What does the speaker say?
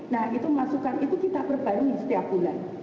nah itu masukkan itu kita perbaiki setiap bulan